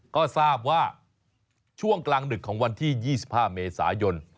ก็ทราบว่าช่วงกลางดึกของวันที่๒๕เมษายน